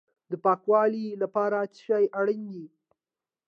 د پاکوالي لپاره څه شی اړین دی؟